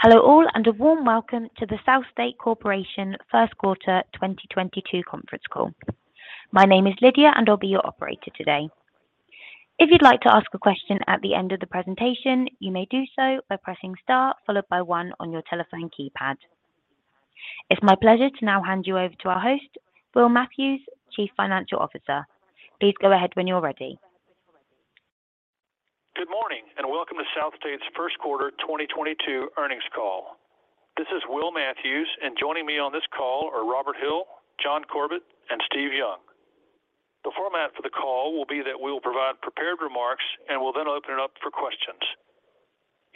Hello all, and a warm welcome to the SouthState Corporation First Quarter 2022 Conference Call. My name is Lydia, and I'll be your operator today. If you'd like to ask a question at the end of the presentation, you may do so by pressing star followed by one on your telephone keypad. It's my pleasure to now hand you over to our host, Will Matthews, Chief Financial Officer. Please go ahead when you're ready. Good morning and welcome to SouthState's First Quarter 2022 Earnings Call. This is Will Matthews, and joining me on this call are Robert Hill, John Corbett, and Steve Young. The format for the call will be that we'll provide prepared remarks and we'll then open it up for questions.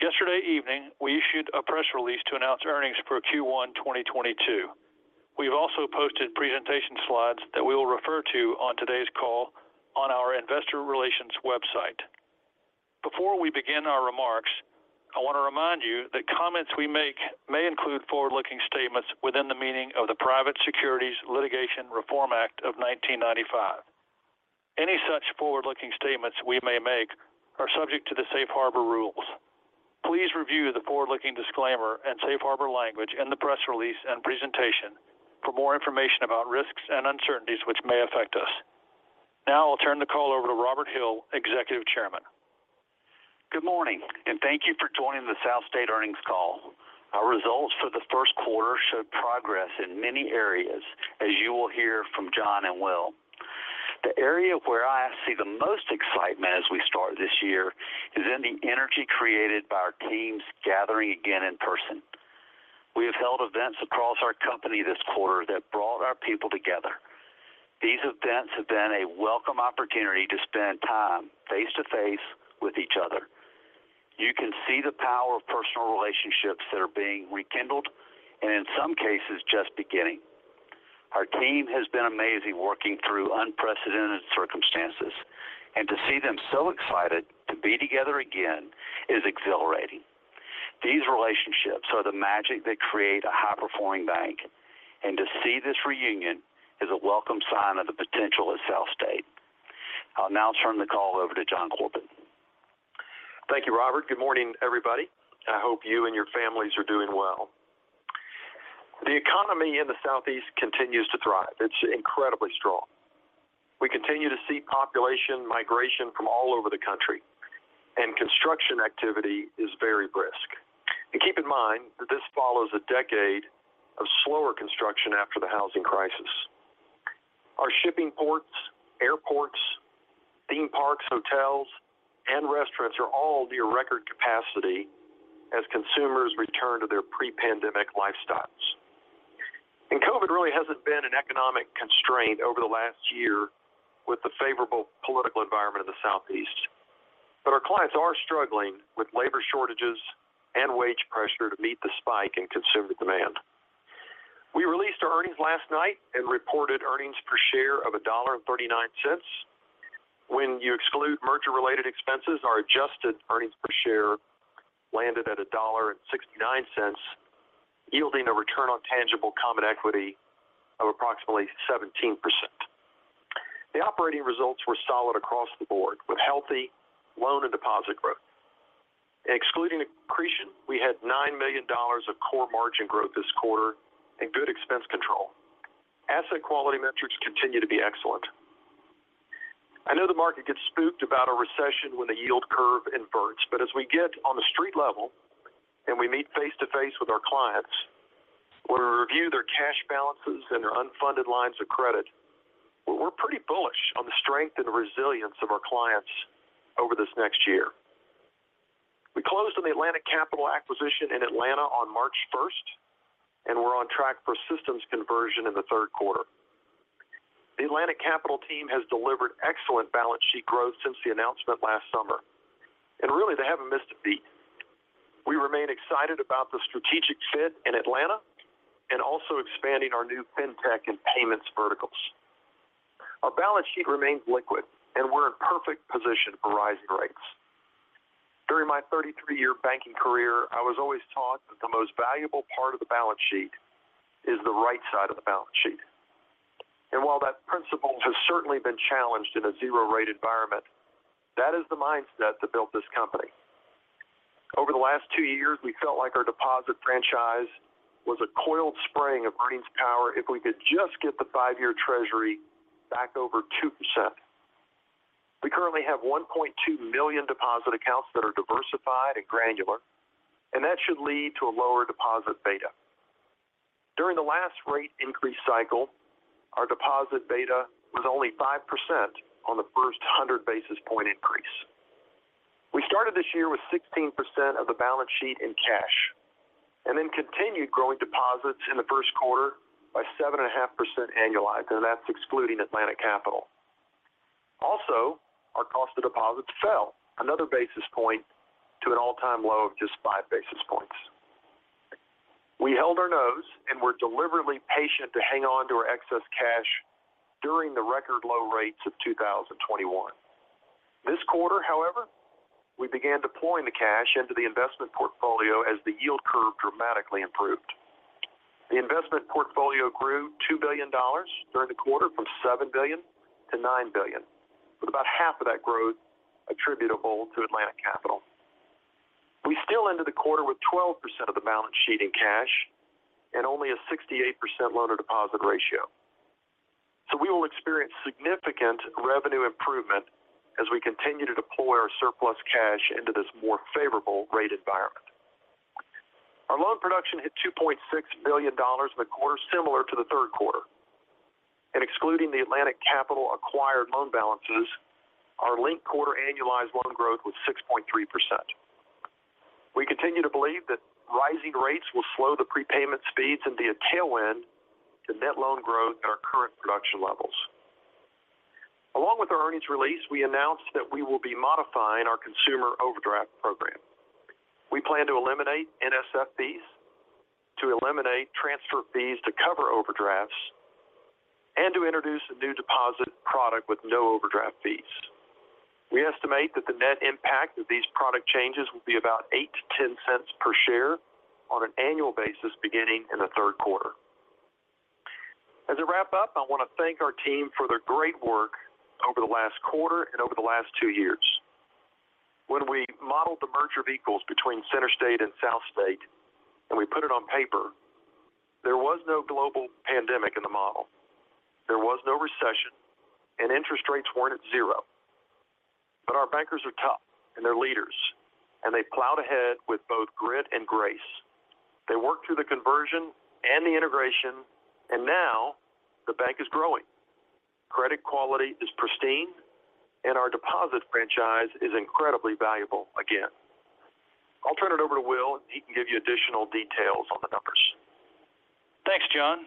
Yesterday evening, we issued a press release to announce earnings for Q1 2022. We've also posted presentation slides that we will refer to on today's call on our investor relations website. Before we begin our remarks, I want to remind you that comments we make may include forward-looking statements within the meaning of the Private Securities Litigation Reform Act of 1995. Any such forward-looking statements we may make are subject to the safe harbor rules. Please review the forward-looking disclaimer and safe harbor language in the press release and presentation for more information about risks and uncertainties which may affect us. Now I'll turn the call over to Robert Hill, Executive Chairman. Good morning, and thank you for joining the SouthState earnings call. Our results for the first quarter showed progress in many areas, as you will hear from John and Will. The area where I see the most excitement as we start this year is in the energy created by our teams gathering again in person. We have held events across our company this quarter that brought our people together. These events have been a welcome opportunity to spend time face-to-face with each other. You can see the power of personal relationships that are being rekindled and in some cases, just beginning. Our team has been amazing working through unprecedented circumstances, and to see them so excited to be together again is exhilarating. These relationships are the magic that create a high-performing bank, and to see this reunion is a welcome sign of the potential at SouthState. I'll now turn the call over to John Corbett. Thank you, Robert. Good morning, everybody. I hope you and your families are doing well. The economy in the Southeast continues to thrive. It's incredibly strong. We continue to see population migration from all over the country and construction activity is very brisk. Keep in mind that this follows a decade of slower construction after the housing crisis. Our shipping ports, airports, theme parks, hotels, and restaurants are all near record capacity as consumers return to their pre-pandemic lifestyles. COVID really hasn't been an economic constraint over the last year with the favorable political environment in the Southeast. Our clients are struggling with labor shortages and wage pressure to meet the spike in consumer demand. We released our earnings last night and reported earnings per share of $1.39. When you exclude merger related expenses, our adjusted earnings per share landed at $1.69, yielding a return on tangible common equity of approximately 17%. The operating results were solid across the board with healthy loan and deposit growth. Excluding accretion, we had $9 million of core margin growth this quarter and good expense control. Asset quality metrics continue to be excellent. I know the market gets spooked about a recession when the yield curve inverts, but as we get on the street level and we meet face-to-face with our clients, where we review their cash balances and their unfunded lines of credit, we're pretty bullish on the strength and resilience of our clients over this next year. We closed on the Atlantic Capital acquisition in Atlanta on March 1st, and we're on track for systems conversion in the third quarter. The Atlantic Capital team has delivered excellent balance sheet growth since the announcement last summer, and really, they haven't missed a beat. We remain excited about the strategic fit in Atlanta and also expanding our new fintech and payments verticals. Our balance sheet remains liquid and we're in perfect position for rising rates. During my 33-year banking career, I was always taught that the most valuable part of the balance sheet is the right side of the balance sheet. While that principle has certainly been challenged in a zero rate environment, that is the mindset that built this company. Over the last two years, we felt like our deposit franchise was a coiled spring of pricing power if we could just get the five-year treasury back over 2%. We currently have $1.2 million deposit accounts that are diversified and granular, and that should lead to a lower deposit beta. During the last rate increase cycle, our deposit beta was only 5% on the first 100 basis point increase. We started this year with 16% of the balance sheet in cash, and then continued growing deposits in the first quarter by 7.5% annualized, and that's excluding Atlantic Capital. Also, our cost of deposits fell another basis point to an all-time low of just 5 basis points. We held our nose and were deliberately patient to hang on to our excess cash during the record low rates of 2021. This quarter, however, we began deploying the cash into the investment portfolio as the yield curve dramatically improved. The investment portfolio grew $2 billion during the quarter from $7 billion to 9 billion, with about half of that growth attributable to Atlantic Capital. We still ended the quarter with 12% of the balance sheet in cash and only a 68% loan-to-deposit ratio. We will experience significant revenue improvement as we continue to deploy our surplus cash into this more favorable rate environment. Our loan production hit $2.6 billion in the quarter similar to the third quarter. Excluding the Atlantic Capital acquired loan balances, our linked quarter annualized loan growth was 6.3%. We continue to believe that rising rates will slow the prepayment speeds and be a tailwind to net loan growth at our current production levels. Along with our earnings release, we announced that we will be modifying our consumer overdraft program. We plan to eliminate NSF fees, to eliminate transfer fees to cover overdrafts, and to introduce a new deposit product with no overdraft fees. We estimate that the net impact of these product changes will be about $0.08-0.10 per share on an annual basis beginning in the third quarter. As I wrap up, I want to thank our team for their great work over the last quarter and over the last two years. When we modeled the merger of equals between CenterState and SouthState, and we put it on paper, there was no global pandemic in the model. There was no recession, and interest rates weren't at zero. Our bankers are tough, and they're leaders, and they plowed ahead with both grit and grace. They worked through the conversion and the integration, and now the bank is growing. Credit quality is pristine, and our deposit franchise is incredibly valuable again. I'll turn it over to Will, and he can give you additional details on the numbers. Thanks, John.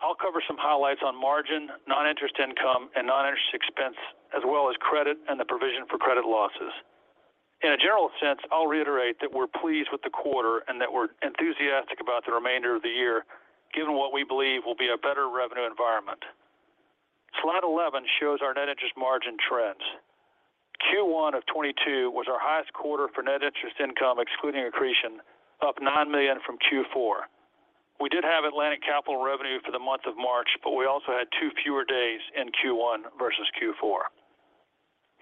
I'll cover some highlights on margin, non-interest income, and non-interest expense, as well as credit and the provision for credit losses. In a general sense, I'll reiterate that we're pleased with the quarter and that we're enthusiastic about the remainder of the year, given what we believe will be a better revenue environment. Slide 11 shows our net interest margin trends. Q1 of 2022 was our highest quarter for net interest income, excluding accretion, up $9 million from Q4. We did have Atlantic Capital revenue for the month of March, but we also had two fewer days in Q1 versus Q4.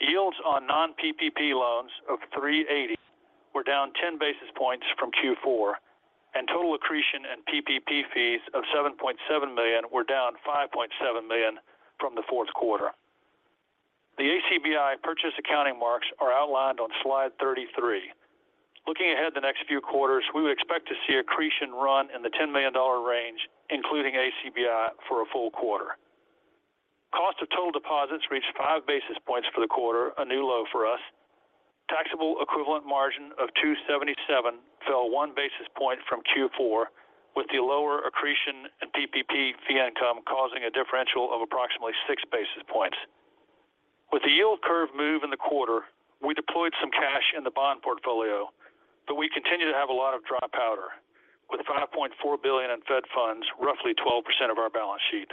Yields on non-PPP loans of 3.80% were down 10 basis points from Q4, and total accretion and PPP fees of $7.7 million were down $5.7 million from the fourth quarter. The ACBI purchase accounting marks are outlined on slide 33. Looking ahead the next few quarters, we would expect to see accretion run in the $10 million range, including ACBI for a full quarter. Cost of total deposits reached 5 basis points for the quarter, a new low for us. Taxable equivalent margin of 277 fell 1 basis point from Q4, with the lower accretion and PPP fee income causing a differential of approximately 6 basis points. With the yield curve move in the quarter, we deployed some cash in the bond portfolio, but we continue to have a lot of dry powder, with $5.4 billion in Fed funds, roughly 12% of our balance sheet.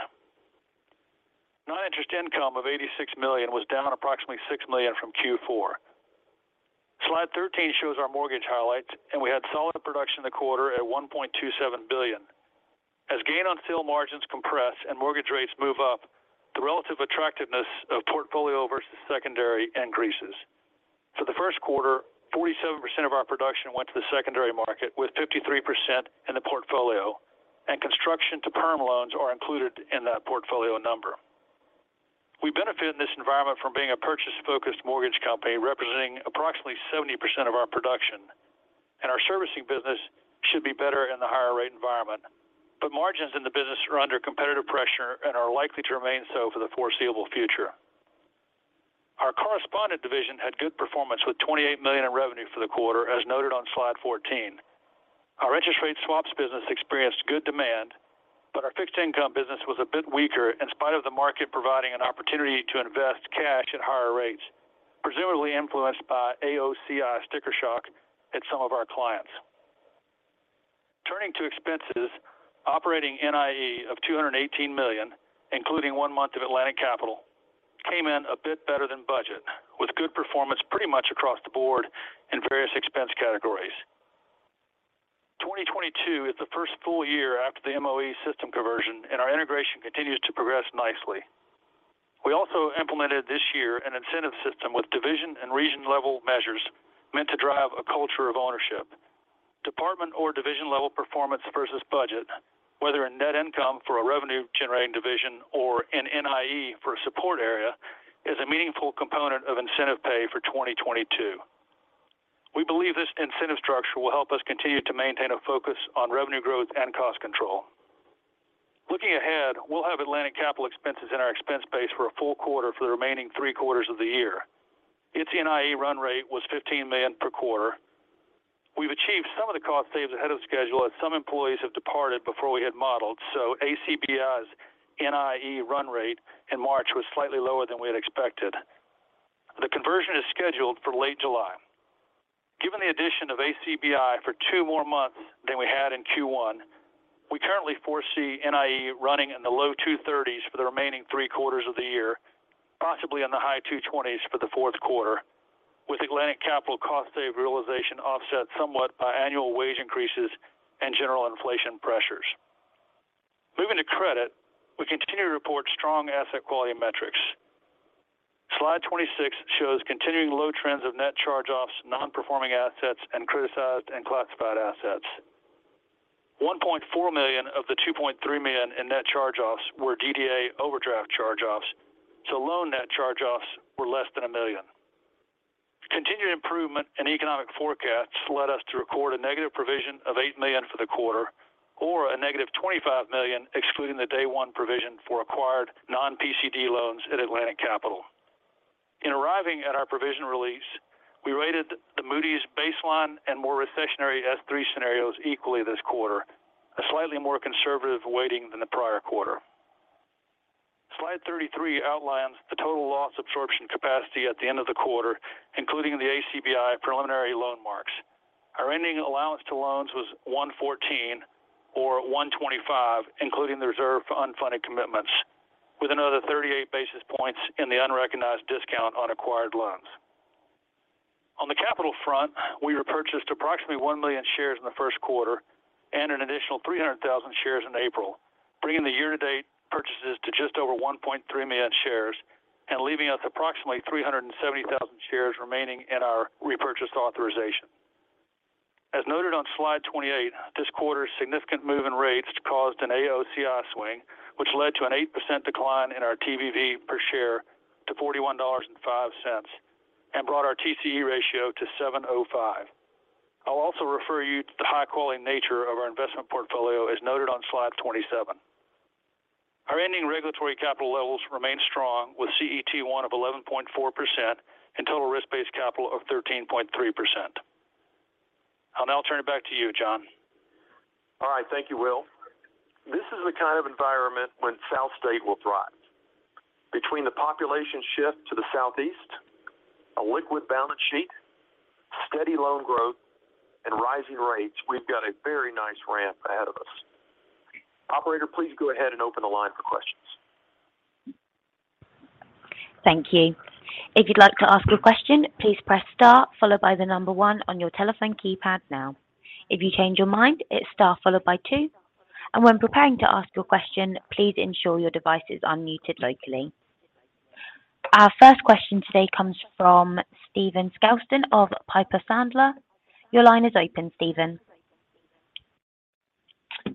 Non-interest income of $86 million was down approximately $6 million from Q4. Slide 13 shows our mortgage highlights, and we had solid production in the quarter at $1.27 billion. As gain on sale margins compress and mortgage rates move up, the relative attractiveness of portfolio versus secondary increases. For the first quarter, 47% of our production went to the secondary market, with 53% in the portfolio, and construction to perm loans are included in that portfolio number. We benefit in this environment from being a purchase-focused mortgage company representing approximately 70% of our production, and our servicing business should be better in the higher rate environment. Margins in the business are under competitive pressure and are likely to remain so for the foreseeable future. Our correspondent division had good performance with $28 million in revenue for the quarter, as noted on slide 14. Our interest rate swaps business experienced good demand, but our fixed income business was a bit weaker in spite of the market providing an opportunity to invest cash at higher rates, presumably influenced by AOCI sticker shock at some of our clients. Turning to expenses, operating NIE of $218 million, including one month of Atlantic Capital, came in a bit better than budget, with good performance pretty much across the board in various expense categories. 2022 is the first full year after the MOE system conversion, and our integration continues to progress nicely. We also implemented this year an incentive system with division and region-level measures meant to drive a culture of ownership. Department or division-level performance versus budget, whether in net income for a revenue-generating division or in NIE for a support area, is a meaningful component of incentive pay for 2022. We believe this incentive structure will help us continue to maintain a focus on revenue growth and cost control. Looking ahead, we'll have Atlantic Capital expenses in our expense base for a full quarter for the remaining three quarters of the year. Its NIE run rate was $15 million per quarter. We've achieved some of the cost saves ahead of schedule as some employees have departed before we had modeled, so ACBI's NIE run rate in March was slightly lower than we had expected. The conversion is scheduled for late July. Even with the addition of ACBI for two more months than we had in Q1, we currently foresee NIE running in the low 20s for the remaining three quarters of the year, possibly in the high 20s for the fourth quarter, with Atlantic Capital cost save realization offset somewhat by annual wage increases and general inflation pressures. Moving to credit, we continue to report strong asset quality metrics. Slide 26 shows continuing low trends of net charge-offs, non-performing assets, and criticized unclassified assets. $1.4 million of the $2.3 million in net charge-offs were DDA overdraft charge-offs, so loan net charge-offs were less than $1 million. Continued improvement in economic forecasts led us to record a negative provision of $8 million for the quarter or a -$25 million excluding the day one provision for acquired non-PCD loans at Atlantic Capital. In arriving at our provision release, we rated the Moody's baseline and more recessionary S3 scenarios equally this quarter, a slightly more conservative weighting than the prior quarter. Slide 33 outlines the total loss absorption capacity at the end of the quarter, including the ACBI preliminary loan marks. Our ending allowance to loans was 1.14% or 1.25%, including the reserve for unfunded commitments, with another 38 basis points in the unrecognized discount on acquired loans. On the capital front, we repurchased approximately $1 million shares in the first quarter and an additional $300,000 shares in April, bringing the year-to-date purchases to just over 1.3 million shares and leaving us approximately $370,000 shares remaining in our repurchase authorization. As noted on slide 28, this quarter's significant move in rates caused an AOCI swing, which led to an 8% decline in our TBV per share to $41.05 and brought our TCE ratio to 7.05%. I'll also refer you to the high-quality nature of our investment portfolio as noted on slide 27. Our ending regulatory capital levels remain strong with CET1 of 11.4% and total risk-based capital of 13.3%. I'll now turn it back to you, John. All right. Thank you, Will. This is the kind of environment when SouthState will thrive. Between the population shift to the southeast, a liquid balance sheet, steady loan growth, and rising rates, we've got a very nice ramp ahead of us. Operator, please go ahead and open the line for questions. Thank you. If you'd like to ask a question, please press star followed by the number one on your telephone keypad now. If you change your mind, it's star followed by two. When preparing to ask your question, please ensure your devices are unmuted locally. Our first question today comes from Stephen Scouten of Piper Sandler. Your line is open, Stephen.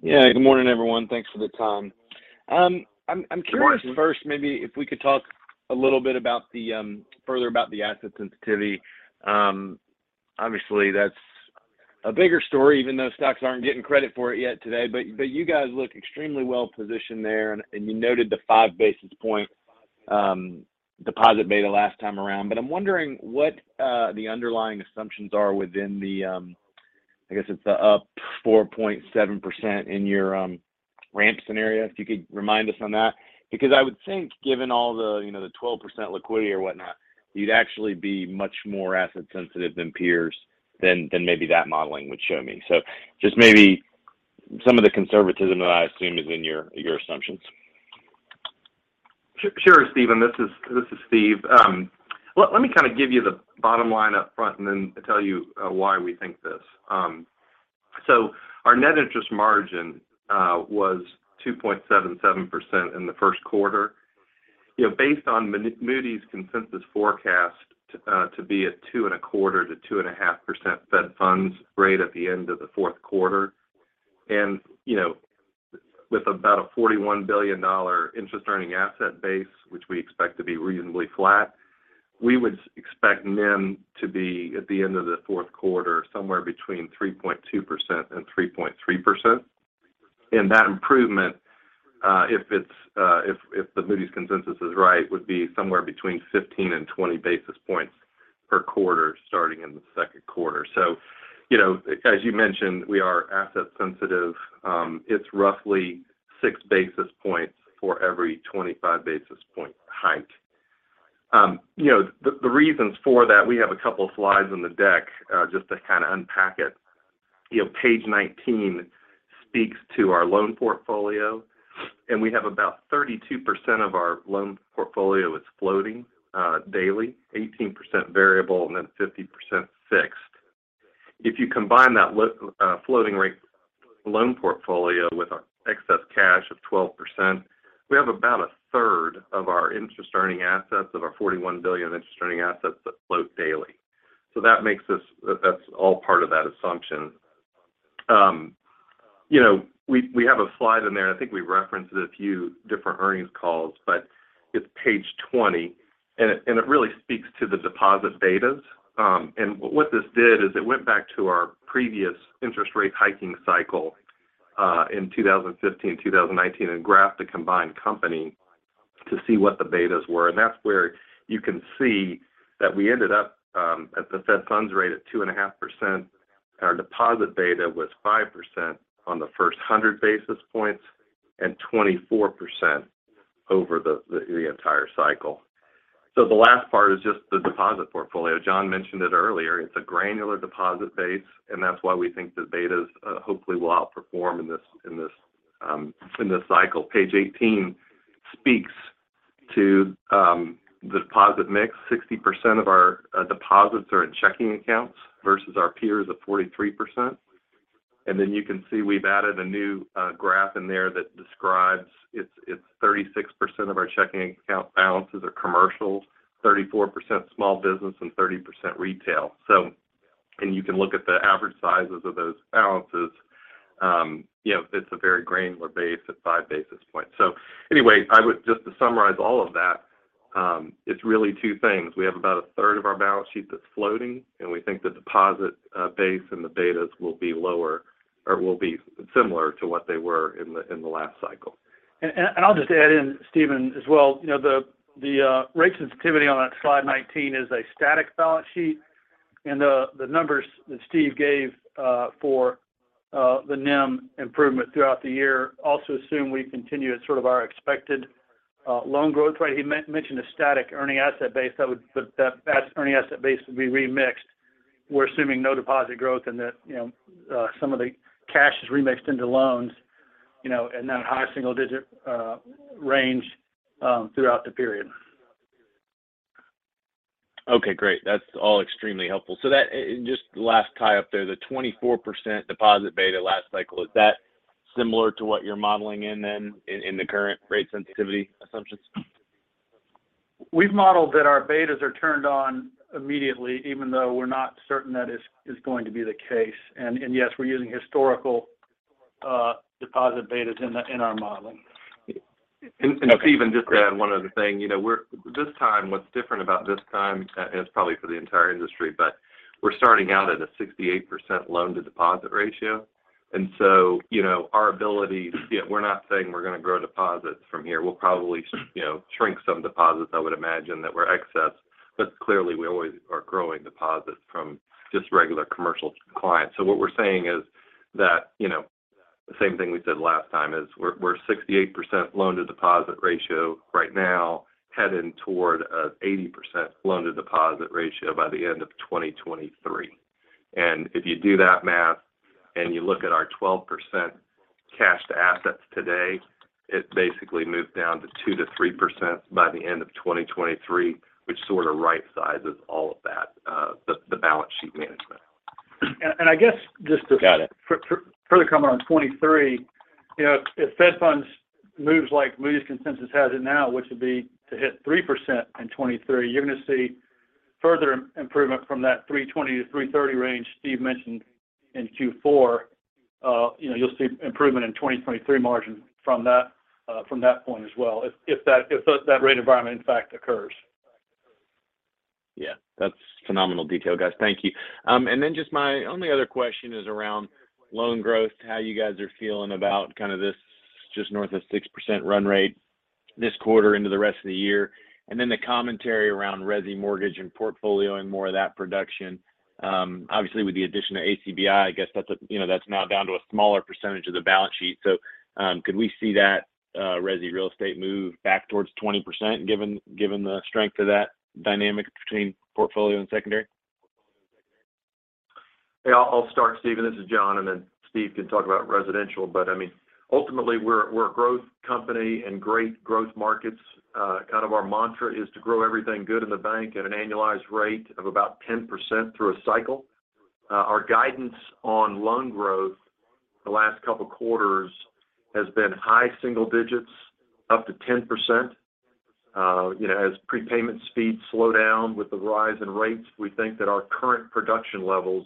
Yeah, good morning, everyone. Thanks for the time. I'm curious first, maybe if we could talk a little bit further about the asset sensitivity. Obviously that's a bigger story even though stocks aren't getting credit for it yet today. You guys look extremely well-positioned there, and you noted the five basis point deposit beta last time around. I'm wondering what the underlying assumptions are within the I guess it's the up 4.7% in your ramp scenario. If you could remind us on that, because I would think given all the you know the 12% liquidity or whatnot, you'd actually be much more asset sensitive than peers than maybe that modeling would show me. Just maybe some of the conservatism that I assume is in your assumptions? Sure, Stephen. This is Steve. Let me kind of give you the bottom line up front and then tell you why we think this. Our net interest margin was 2.77% in the first quarter. You know, based on Moody's consensus forecast to be at 2.25%-2.5% Fed funds rate at the end of the fourth quarter. You know, with about a $41 billion interest earning asset base, which we expect to be reasonably flat, we would expect NIM to be at the end of the fourth quarter, somewhere between 3.2% and 3.3%. That improvement, if the Moody's consensus is right, would be somewhere between 15 and 20 basis points per quarter starting in the second quarter. You know, as you mentioned, we are asset sensitive. It's roughly 6 basis points for every 25 basis point hike. You know, the reasons for that, we have a couple of slides in the deck, just to kind of unpack it. You know, page 19 speaks to our loan portfolio, and we have about 32% of our loan portfolio is floating, daily, 18% variable and then 50% fixed. If you combine that floating rate loan portfolio with our excess cash of 12%, we have about a third of our interest earning assets, of our $41 billion interest earning assets that float daily. That's all part of that assumption. You know, we have a slide in there, and I think we referenced it a few different earnings calls, but it's page 20 and it really speaks to the deposit betas. What this did is it went back to our previous interest rate hiking cycle in 2015 to 2019, and graphed the combined company to see what the betas were. That's where you can see that we ended up at the Fed funds rate at 2.5%. Our deposit beta was 5% on the first 100 basis points and 24% over the entire cycle. The last part is just the deposit portfolio. John mentioned it earlier, it's a granular deposit base, and that's why we think the betas hopefully will outperform in this cycle. Page 18 speaks to the deposit mix. 60% of our deposits are in checking accounts versus our peers at 43%. Then you can see we've added a new graph in there that describes it's 36% of our checking account balances are commercial, 34% small business and 30% retail. You can look at the average sizes of those balances. You know, it's a very granular base at five basis points. Anyway, I would just to summarize all of that, it's really two things. We have about a third of our balance sheet that's floating, and we think the deposit base and the betas will be lower or will be similar to what they were in the last cycle. I'll just add in Stephen as well. You know, the rate sensitivity on that slide 19 is a static balance sheet. The numbers that Steve gave for the NIM improvement throughout the year also assume we continue at sort of our expected loan growth rate. He mentioned a static earning asset base that would be remixed. We're assuming no deposit growth and that, you know, some of the cash is remixed into loans, you know, in that high single digit range throughout the period. Okay, great. That's all extremely helpful. Just last tie-up there, the 24% deposit beta last cycle, is that similar to what you're modeling in the current rate sensitivity assumptions? We've modeled that our betas are turned on immediately, even though we're not certain that is going to be the case. Yes, we're using historical deposit betas in our modeling. Okay. Stephen, just to add one other thing, you know, we're this time, what's different about this time is probably for the entire industry, but we're starting out at a 68% loan-to-deposit ratio. You know, we're not saying we're gonna grow deposits from here. We'll probably, you know, shrink some deposits, I would imagine, that were excess, but clearly, we always are growing deposits from just regular commercial clients. What we're saying is that, you know, the same thing we said last time is we're 68% loan-to-deposit ratio right now, heading toward an 80% loan-to-deposit ratio by the end of 2023. If you do that math and you look at our 12% cash to assets today, it basically moves down to 2%-3% by the end of 2023, which sort of right sizes all of that, the balance sheet management. I guess just to. Got it. Further comment on 2023. You know, if Fed funds moves like latest consensus has it now, which would be to hit 3% in 2030, you're gonna see further improvement from that 3.20%-3.30% range Steve mentioned in Q4. You know, you'll see improvement in 2023 margins from that point as well if that rate environment in fact occurs. Yeah. That's phenomenal detail, guys. Thank you. Just my only other question is around loan growth, how you guys are feeling about kind of this just north of 6% run rate this quarter into the rest of the year. The commentary around resi mortgage and portfolio and more of that production. Obviously with the addition of ACBI, I guess that's a you know, that's now down to a smaller percentage of the balance sheet. Could we see that, resi real estate move back towards 20% given the strength of that dynamic between portfolio and secondary? Yeah. I'll start, Stephen. This is John, and then Steve can talk about residential. I mean, ultimately we're a growth company in great growth markets. Kind of our mantra is to grow everything good in the bank at an annualized rate of about 10% through a cycle. Our guidance on loan growth the last couple quarters has been high single digits, up to 10%. You know, as prepayment speeds slow down with the rise in rates, we think that our current production levels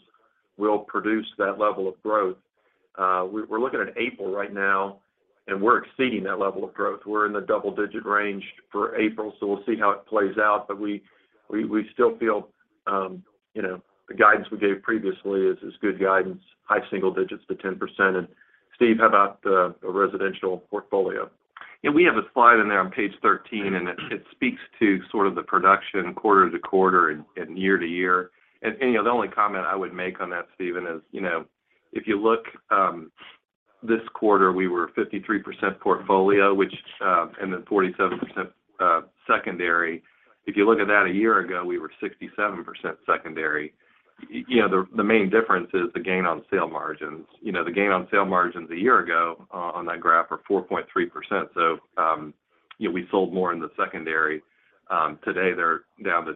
will produce that level of growth. We're looking at April right now, and we're exceeding that level of growth. We're in the double digit range for April, so we'll see how it plays out. We still feel, you know, the guidance we gave previously is good guidance, high single digits to 10%. Steve, how about the residential portfolio? Yeah. We have a slide in there on page 13, and it speaks to sort of the production quarter-to-quarter and year-to-year. You know, the only comment I would make on that, Stephen, is, you know, if you look, this quarter we were 53% portfolio, which and then 47% secondary. If you look at that a year ago, we were 67% secondary. You know, the main difference is the gain on sale margins. You know, the gain on sale margins a year ago on that graph were 4.3%. You know, we sold more in the secondary. Today they're down to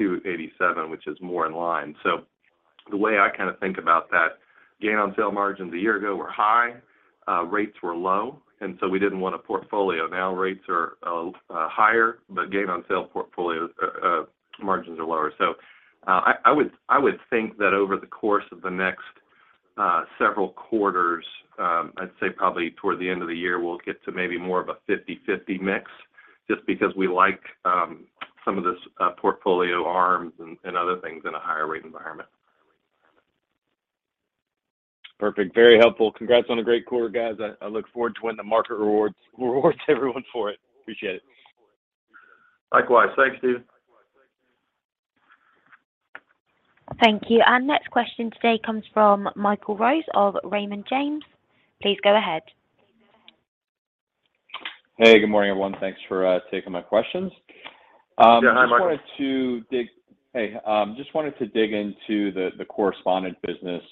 2.87%, which is more in line. The way I kind of think about that, gain on sale margins a year ago were high, rates were low, and so we didn't want a portfolio. Now rates are higher, but gain on sale portfolio margins are lower. I would think that over the course of the next several quarters, I'd say probably toward the end of the year, we'll get to maybe more of a 50/50 mix just because we like some of this portfolio ARMs and other things in a higher rate environment. Perfect. Very helpful. Congrats on a great quarter, guys. I look forward to when the market rewards everyone for it. Appreciate it. Likewise. Thanks, Stephen. Thank you. Our next question today comes from Michael Rose of Raymond James. Please go ahead. Hey, good morning, everyone. Thanks for taking my questions. Yeah, hi, Michael. Just wanted to dig into the correspondent business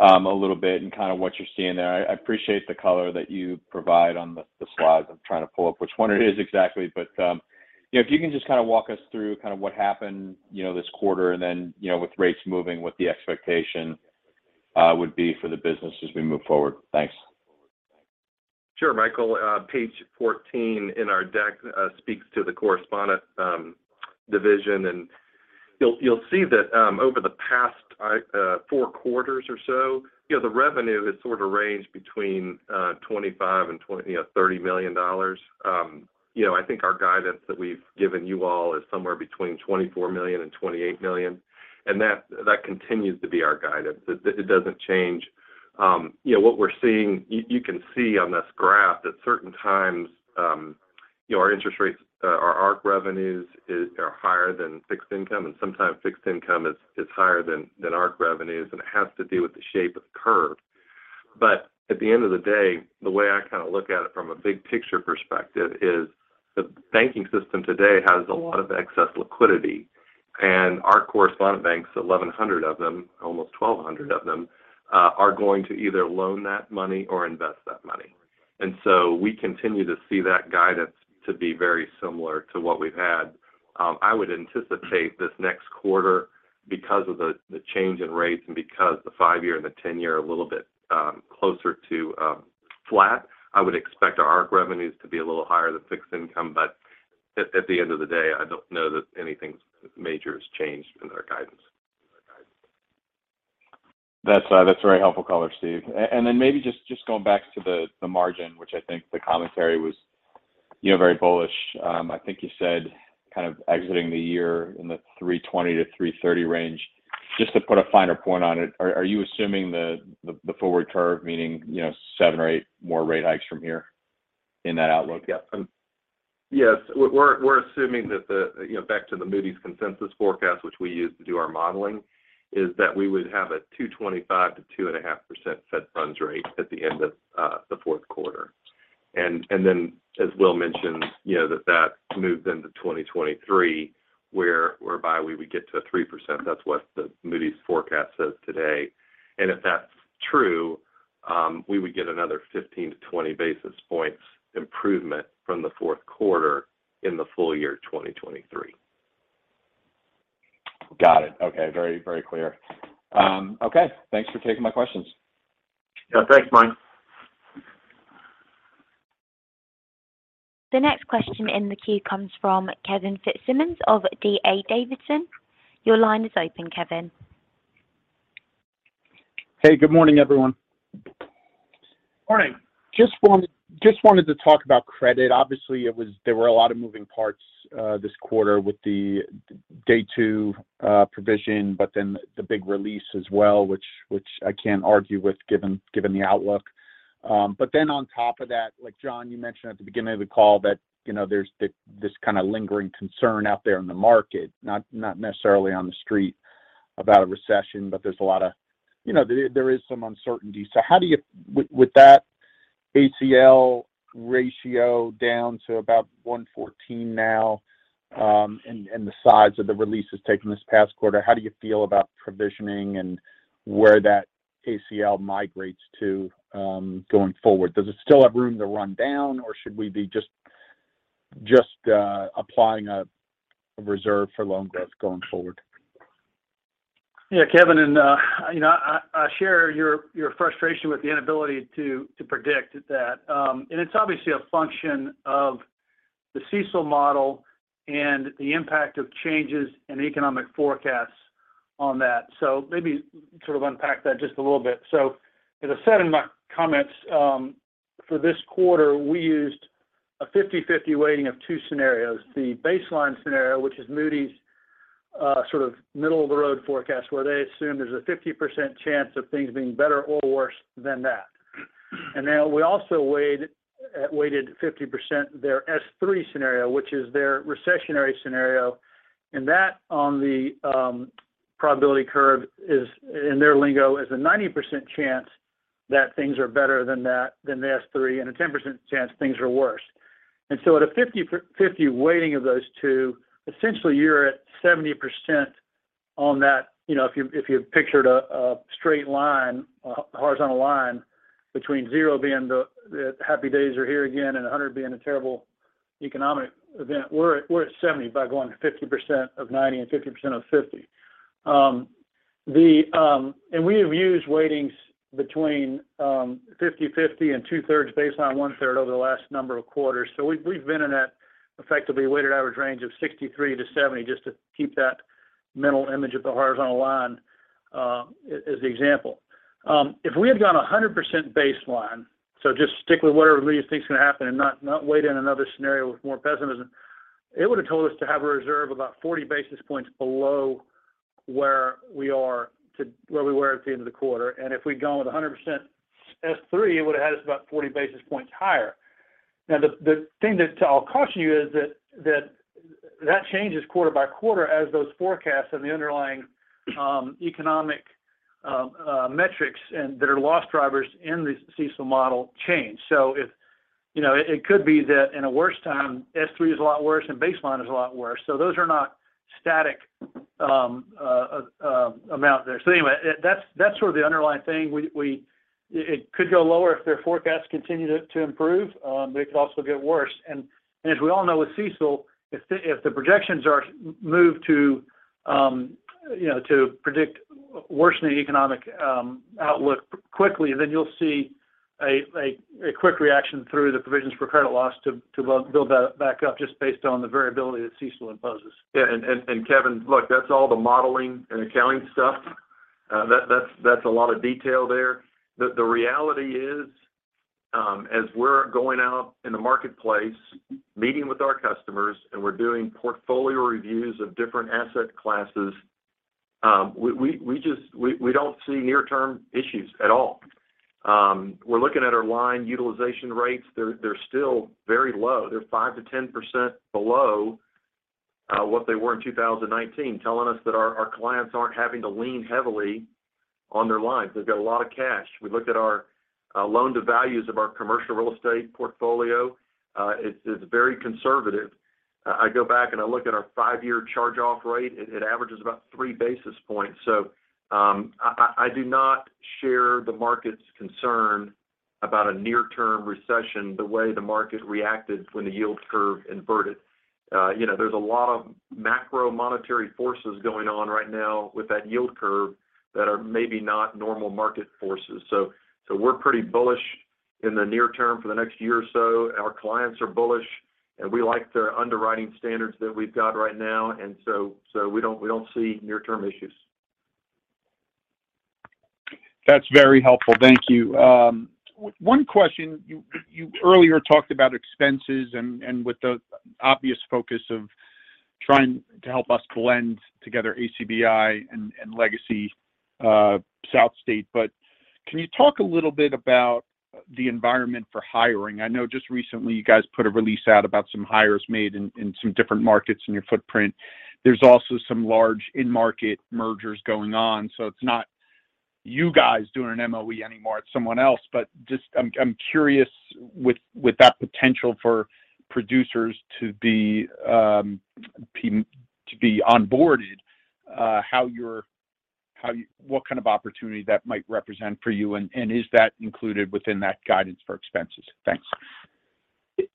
a little bit and kind of what you're seeing there. I appreciate the color that you provide on the slides. I'm trying to pull up which one it is exactly. You know, if you can just kind of walk us through kind of what happened this quarter and then, you know, with rates moving, what the expectation would be for the business as we move forward? Thanks. Sure, Michael. Page 14 in our deck speaks to the correspondent division. You'll see that over the past four quarters or so, you know, the revenue has sort of ranged between $25 million and $30 million. I think our guidance that we've given you all is somewhere between $24 million and 28 million, and that continues to be our guidance. It doesn't change. What we're seeing, you can see on this graph at certain times, you know, our interest rates, our ARC revenues are higher than fixed income, and sometimes fixed income is higher than ARC revenues, and it has to do with the shape of the curve. At the end of the day, the way I kind of look at it from a big picture perspective is the banking system today has a lot of excess liquidity, and our correspondent banks, 1,100 of them, almost 1,200 of them, are going to either loan that money or invest that money. We continue to see that guidance to be very similar to what we've had. I would anticipate this next quarter, because of the change in rates and because the five-year and the 10-year are a little bit closer to flat. I would expect our ARC revenues to be a little higher than fixed income. At the end of the day, I don't know that anything major has changed in our guidance. That's very helpful color, Steve. Maybe just going back to the margin, which I think the commentary was, you know, very bullish. I think you said kind of exiting the year in the 3.20%-3.30% range. Just to put a finer point on it, are you assuming the forward curve, meaning, you know, seven or eight more rate hikes from here in that outlook? Yes. We're assuming that the you know back to the Moody's consensus forecast, which we use to do our modeling, is that we would have a 2.25%-2.5% Fed funds rate at the end of the fourth quarter. As Will mentioned, you know, that moves into 2023, whereby we would get to a 3%. That's what the Moody's forecast says today. If that's true, we would get another 15-20 basis points improvement from the fourth quarter in the full year 2023. Got it. Okay. Very, very clear. Okay. Thanks for taking my questions. Yeah, thanks, Mike. The next question in the queue comes from Kevin Fitzsimmons of D.A. Davidson. Your line is open, Kevin. Hey, good morning, everyone. Morning. Just wanted to talk about credit. Obviously, there were a lot of moving parts this quarter with the day two provision, but then the big release as well, which I can't argue with given the outlook. But then on top of that, like, John, you mentioned at the beginning of the call that, you know, there's this kind of lingering concern out there in the market, not necessarily on the Street about a recession, but there's a lot of, you know, there is some uncertainty. With that ACL ratio down to about 1.14% now, and the size of the releases taken this past quarter, how do you feel about provisioning and where that ACL migrates to going forward? Does it still have room to run down, or should we be just applying a reserve for loan debts going forward? Yeah, Kevin, you know, I share your frustration with the inability to predict that. It's obviously a function of the CECL model and the impact of changes in economic forecasts on that. Maybe sort of unpack that just a little bit. As I said in my comments, for this quarter, we used a 50-50 weighting of two scenarios. The baseline scenario, which is Moody's sort of middle-of-the-road forecast, where they assume there's a 50% chance of things being better or worse than that. We also weighted 50% their S3 scenario, which is their recessionary scenario. That on the probability curve is, in their lingo, a 90% chance that things are better than that, than the S3, and a 10% chance things are worse. At a 50/50 weighting of those two, essentially you're at 70% on that. You know, if you pictured a straight line, a horizontal line between zero being the happy days are here again and 100 being a terrible economic event, we're at 70% by going 50% of 90% and 50% of 50%. We have used weightings between 50/50 and 2/3 baseline, one-third over the last number of quarters. We've been in that effectively weighted average range of 63%-70% just to keep that mental image of the horizontal line as the example. If we had gone 100% baseline, just stick with whatever we think is going to happen and not weigh in another scenario with more pessimism, it would have told us to have a reserve about 40 basis points below where we are, to where we were at the end of the quarter. If we'd gone with 100% S3, it would've had us about 40 basis points higher. Now, the thing that I'll caution you is that that changes quarter by quarter as those forecasts and the underlying economic metrics that are loss drivers in the CECL model change. If you know, it could be that in a worse time, S3 is a lot worse and baseline is a lot worse. Those are not static amount there. Anyway, that's sort of the underlying thing. It could go lower if their forecasts continue to improve, but it could also get worse. As we all know with CECL, if the projections are moved to you know to predict worsening economic outlook quickly, then you'll see a quick reaction through the provisions for credit loss to build that back up just based on the variability that CECL imposes. Yeah. Kevin, look, that's all the modeling and accounting stuff. That's a lot of detail there. The reality is, as we're going out in the marketplace, meeting with our customers, and we're doing portfolio reviews of different asset classes, we don't see near-term issues at all. We're looking at our line utilization rates. They're still very low. They're 5%-10% below what they were in 2019, telling us that our clients aren't having to lean heavily on their lines. They've got a lot of cash. We looked at our loan-to-values of our commercial real estate portfolio. It's very conservative. I go back and I look at our five-year charge-off rate. It averages about three basis points. I do not share the market's concern about a near-term recession the way the market reacted when the yield curve inverted. You know, there's a lot of macro monetary forces going on right now with that yield curve that are maybe not normal market forces. We're pretty bullish in the near term for the next year or so. Our clients are bullish, and we like their underwriting standards that we've got right now. We don't see near-term issues. That's very helpful. Thank you. One question. You earlier talked about expenses and with the obvious focus of trying to help us blend together ACBI and legacy SouthState. Can you talk a little bit about the environment for hiring? I know just recently you guys put a release out about some hires made in some different markets in your footprint. There's also some large in-market mergers going on. It's not you guys doing an MOE anymore, it's someone else. I'm curious with that potential for producers to be onboarded what kind of opportunity that might represent for you, and is that included within that guidance for expenses? Thanks.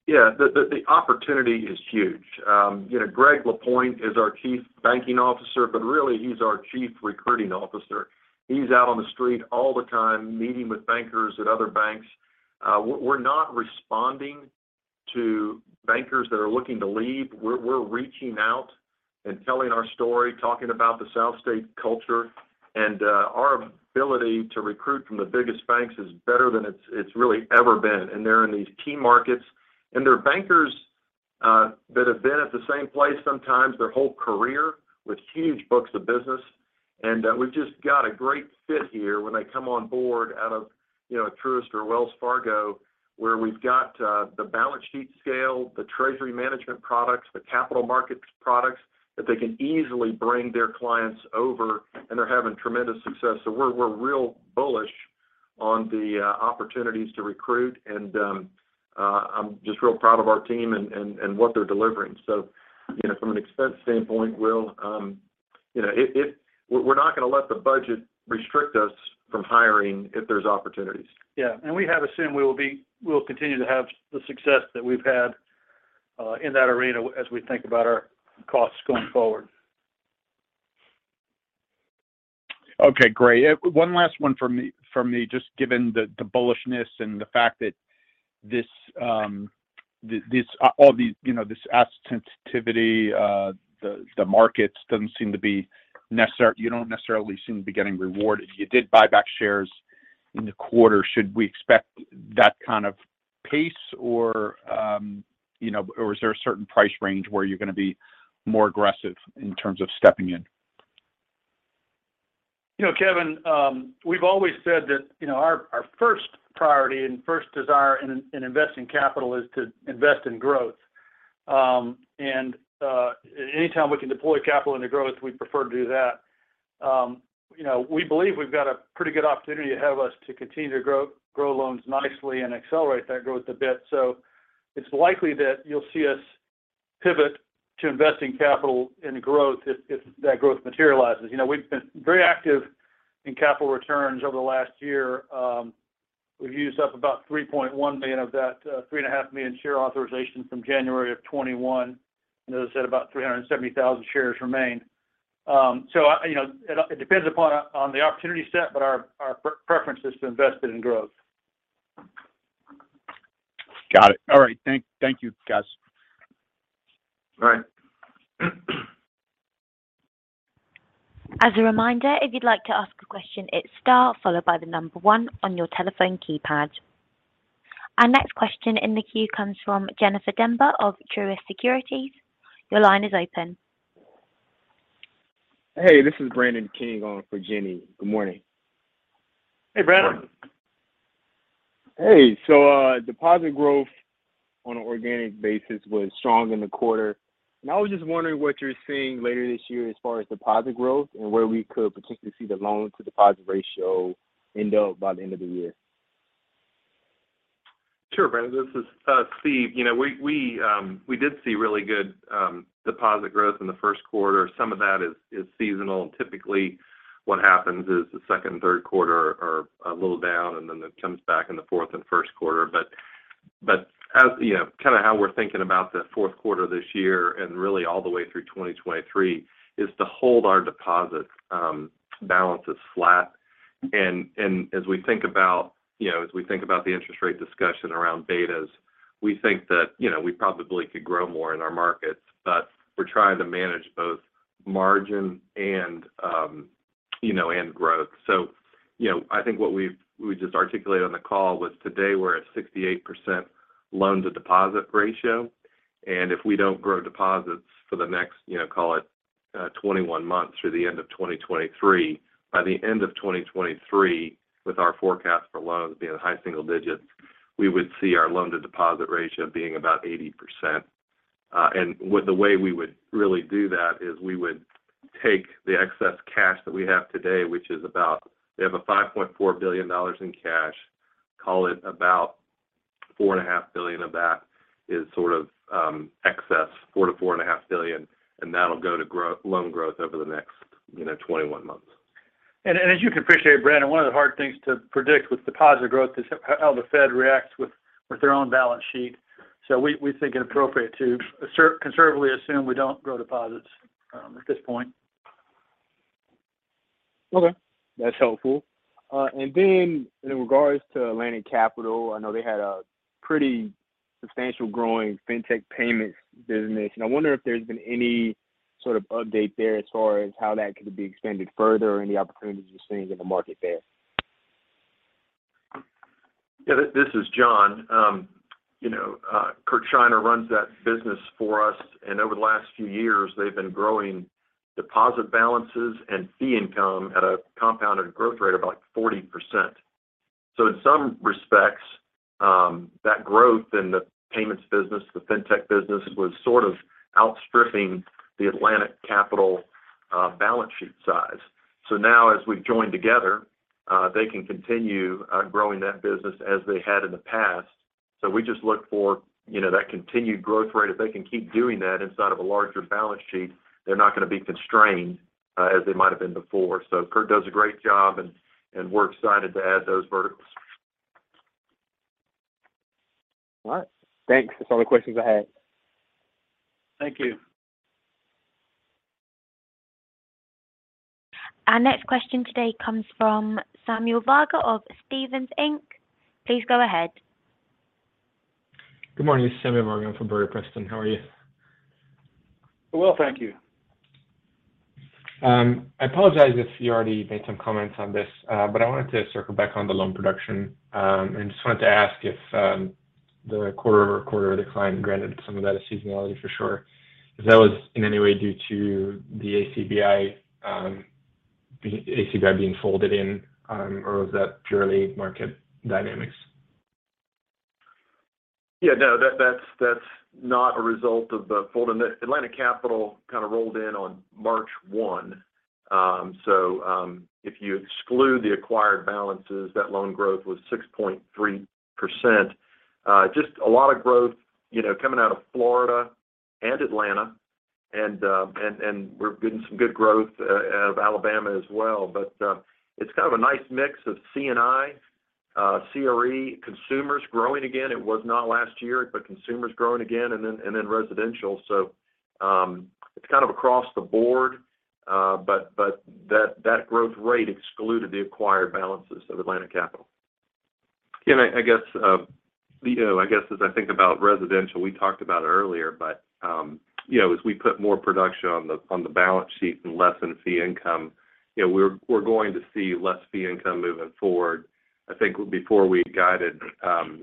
Yeah. The opportunity is huge. You know, Greg Lapointe is our Chief Banking Officer, but really, he's our Chief Recruiting Officer. He's out on the street all the time meeting with bankers at other banks. We're not responding to bankers that are looking to leave. We're reaching out and telling our story, talking about the SouthState culture. Our ability to recruit from the biggest banks is better than it's really ever been. They're in these key markets. They're bankers that have been at the same place sometimes their whole career with huge books of business. We've just got a great fit here when they come on board out of, you know, a Truist or Wells Fargo, where we've got the balance sheet scale, the treasury management products, the capital markets products that they can easily bring their clients over, and they're having tremendous success. We're real bullish on the opportunities to recruit and I'm just real proud of our team and what they're delivering. You know, from an expense standpoint, we'll, you know, we're not gonna let the budget restrict us from hiring if there's opportunities. Yeah. We have assumed we'll continue to have the success that we've had in that arena as we think about our costs going forward. Okay, great. One last one from me, just given the bullishness and the fact that all these, you know, this asset sensitivity, you don't necessarily seem to be getting rewarded. You did buy back shares in the quarter. Should we expect that kind of pace or, you know, or is there a certain price range where you're gonna be more aggressive in terms of stepping in? You know, Kevin, we've always said that, you know, our first priority and first desire in investing capital is to invest in growth. Anytime we can deploy capital into growth, we prefer to do that. You know, we believe we've got a pretty good opportunity ahead of us to continue to grow loans nicely and accelerate that growth a bit. It's likely that you'll see us pivot to investing capital in growth if that growth materializes. You know, we've been very active in capital returns over the last year. We've used up about $3.1 million of that $3.5 million share authorization from January of 2021. As I said, about $370,000 shares remain. You know, it depends upon the opportunity set, but our preference is to invest it in growth. Got it. All right. Thank you, guys. All right. As a reminder, if you'd like to ask a question, it's star followed by the number one on your telephone keypad. Our next question in the queue comes from Jennifer Demba of Truist Securities. Your line is open. Hey, this is Brandon King on for Jenny. Good morning. Hey, Brandon. Hey. Deposit growth on an organic basis was strong in the quarter, and I was just wondering what you're seeing later this year as far as deposit growth and where we could particularly see the loan to deposit ratio end up by the end of the year? Sure, Brandon. This is Steve. You know, we did see really good deposit growth in the first quarter. Some of that is seasonal. Typically, what happens is the second and third quarter are a little down, and then it comes back in the fourth and first quarter. But you know, kind of how we're thinking about the fourth quarter this year and really all the way through 2023 is to hold our deposits balances flat. As we think about the interest rate discussion around betas, we think that you know, we probably could grow more in our markets. But we're trying to manage both margin and you know, and growth. I think what we just articulated on the call was today we're at 68% loan to deposit ratio. If we don't grow deposits for the next, you know, call it, 21 months through the end of 2023, by the end of 2023, with our forecast for loans being in high single digits, we would see our loan to deposit ratio being about 80%. With the way we would really do that is we would take the excess cash that we have today, which is about $5.4 billion in cash. Call it about $4.5 billion of that is sort of excess. $4 billion-4.5 billion, and that'll go to loan growth over the next, you know, 21 months. As you can appreciate, Brandon, one of the hard things to predict with deposit growth is how the Fed reacts with their own balance sheet. We think it appropriate to conservatively assume we don't grow deposits at this point. Okay. That's helpful. In regards to Atlantic Capital, I know they had a pretty substantial growing fintech payments business, and I wonder if there's been any sort of update there as far as how that could be expanded further or any opportunities you're seeing in the market there? Yeah. This is John. You know, Kurt Shreiner runs that business for us, and over the last few years, they've been growing deposit balances and fee income at a compounded growth rate of about 40%. In some respects, that growth in the payments business, the fintech business, was sort of outstripping the Atlantic Capital balance sheet size. Now as we've joined together, they can continue growing that business as they had in the past. We just look for that continued growth rate. If they can keep doing that inside of a larger balance sheet, they're not gonna be constrained as they might have been before. Kurt does a great job, and we're excited to add those verticals. All right. Thanks. That's all the questions I had. Thank you. Our next question today comes from Samuel Varga of Stephens Inc. Please go ahead. Good morning. Samuel Varga from Brody Preston. How are you? Well, thank you. I apologize if you already made some comments on this, but I wanted to circle back on the loan production. I just wanted to ask if the quarter-over-quarter decline, granted some of that is seasonality for sure, if that was in any way due to the ACBI being folded in, or was that purely market dynamics? Yeah, no. That's not a result of the fold in. Atlantic Capital kind of rolled in on March 1. If you exclude the acquired balances, that loan growth was 6.3%. Just a lot of growth, you know, coming out of Florida and Atlanta and we're getting some good growth out of Alabama as well. It's kind of a nice mix of C&I, CRE, consumers growing again. It was not last year, but consumers growing again, and then residential. It's kind of across the board, but that growth rate excluded the acquired balances of Atlantic Capital. Again, I guess, you know, as I think about residential, we talked about it earlier, but you know, as we put more production on the balance sheet and less in fee income, you know, we're going to see less fee income moving forward. I think before we'd guided our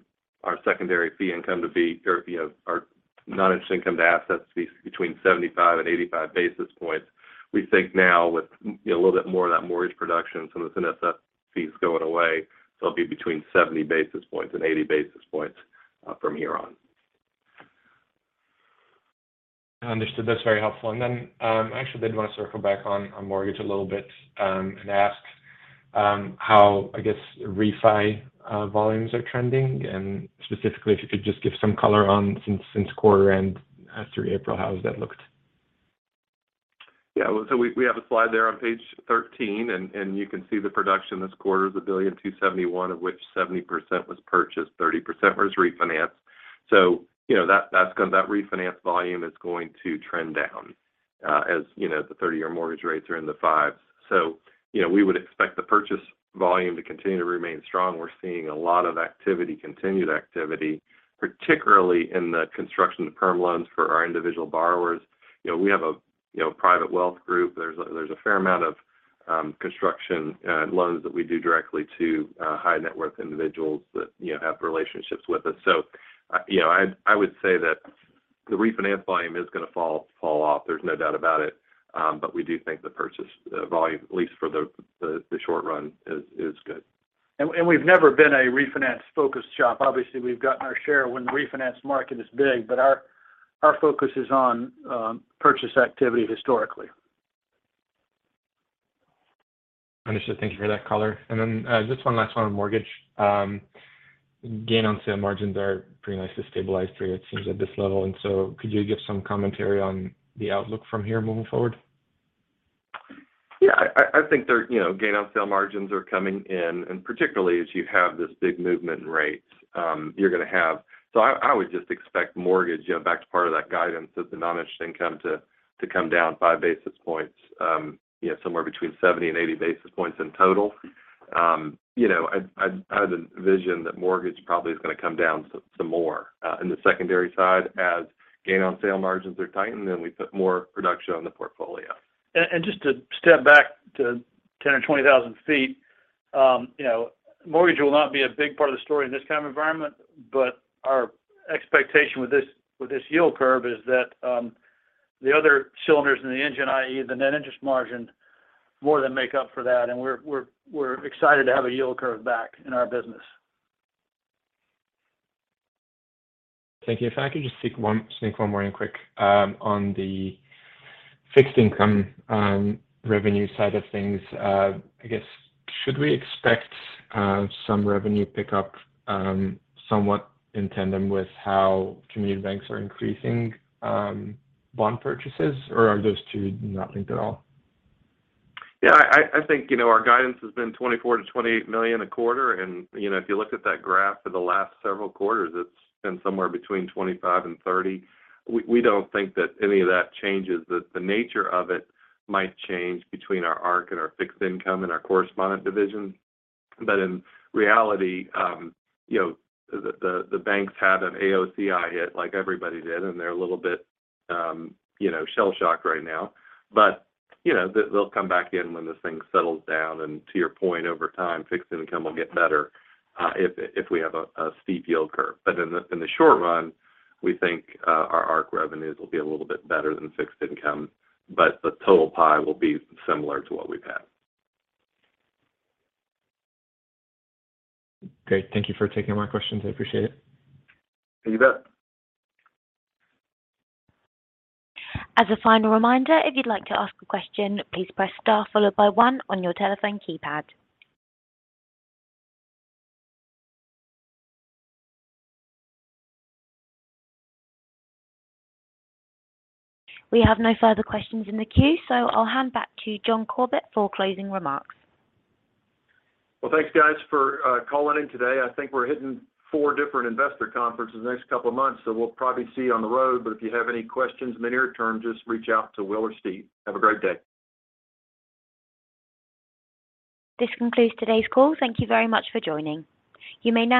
non-interest income to assets to be between 75 and 85 basis points. We think now with you know, a little bit more of that mortgage production, some of the NSF fees going away, so it'll be between 70 basis points and 80 basis points from here on. Understood. That's very helpful. Actually did want to circle back on mortgage a little bit, and ask how, I guess, refi volumes are trending, and specifically, if you could just give some color on since quarter end through April, how has that looked? We have a slide there on page 13 and you can see the production this quarter is $1.271 billion of which 70% was purchased, 30% was refinanced. That refinance volume is going to trend down as the 30-year mortgage rates are in the fives. We would expect the purchase volume to continue to remain strong. We're seeing a lot of activity, continued activity. Particularly in the construction perm loans for our individual borrowers. We have a private wealth group. There's a fair amount of construction loans that we do directly to high-net-worth individuals that have relationships with us. I would say that the refinance volume is gonna fall off, there's no doubt about it. But we do think the purchase volume, at least for the short run, is good. We've never been a refinance-focused shop. Obviously, we've gotten our share when the refinance market is big, but our focus is on purchase activity historically. Understood. Thank you for that color. Then, just one last one on mortgage. Gain on sale margins are pretty nicely stabilized for you, it seems, at this level. Could you give some commentary on the outlook from here moving forward? Yeah, I think they're, you know, gain on sale margins are coming in, and particularly as you have this big movement in rates, you're gonna have. I would just expect mortgage, you know, back to part of that guidance of the non-interest income to come down 5 basis points, you know, somewhere between 70 and 80 basis points in total. I have the vision that mortgage probably is gonna come down some more in the secondary side as gain on sale margins are tightened, and we put more production on the portfolio. Just to step back to 10,000 or 20,000 feet, you know, mortgage will not be a big part of the story in this kind of environment, but our expectation with this yield curve is that the other cylinders in the engine, i.e. the net interest margin, more than make up for that, and we're excited to have a yield curve back in our business. Thank you. If I could just sneak one more in quick, on the fixed income revenue side of things. I guess, should we expect some revenue pickup, somewhat in tandem with how community banks are increasing bond purchases, or are those two not linked at all? Yeah, I think, you know, our guidance has been $24 million-28 million a quarter. You know, if you look at that graph for the last several quarters, it's been somewhere between $25 million and 30 million. We don't think that any of that changes. The nature of it might change between our ARC and our fixed income and our correspondent division. In reality, you know, the banks had an AOCI hit like everybody did, and they're a little bit, you know, shell-shocked right now. You know, they'll come back in when this thing settles down. To your point, over time, fixed income will get better, if we have a steep yield curve. In the short run, we think our ARC revenues will be a little bit better than fixed income, but the total pie will be similar to what we've had. Great. Thank you for taking my questions. I appreciate it. You bet. As a final reminder, if you'd like to ask a question, please press star followed by one on your telephone keypad. We have no further questions in the queue, so I'll hand back to John Corbett for closing remarks. Well, thanks guys for calling in today. I think we're hitting four different investor conferences the next couple of months, so we'll probably see you on the road. If you have any questions in the near-term, just reach out to Will or Steve. Have a great day. This concludes today's call. Thank you very much for joining. You may now disconnect.